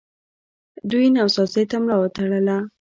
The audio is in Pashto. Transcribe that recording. دوی نوسازۍ ته ملا وتړله